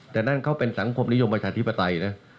แต่นั่นเขาเป็นสังคมนิยมประชาธิปไตยนะ